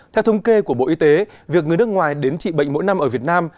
theo thống kê của bộ y tế việc người nước ngoài đến trị bệnh mỗi năm ở việt nam